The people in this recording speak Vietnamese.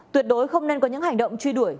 tuyệt đối không nên có những hành động truy đuổi